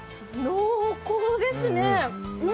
濃厚ですね。